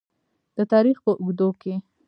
د تاریخ په اوږدو کې.